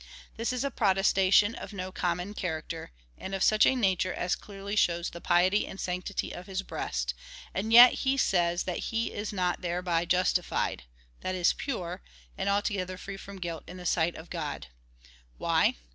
This is a protestation of no common character, and of such a nature as clearly shows the piety and sanctity of his breast f and yet he says that he is not thereby justified : that is, pure, and altogether free from guilt in the sight of God. Why